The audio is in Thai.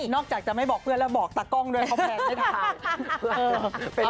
นอกจากจะไม่บอกเพื่อนแล้วบอกตากล้องด้วยคอมแพรส